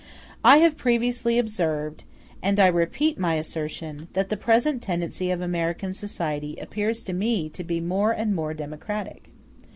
I have previously observed, and I repeat my assertion, that the present tendency of American society appears to me to become more and more democratic.